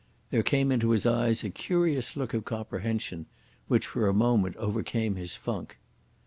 There came into his eyes a curious look of comprehension, which for a moment overcame his funk.